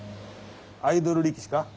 アイドル力士か？